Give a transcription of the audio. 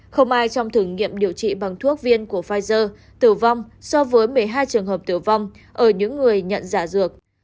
không ai trong thử nghiệm điều trị bằng thuốc viên của pfizer tử vong so với một mươi hai trường hợp tử vong ở những người nhận giả dược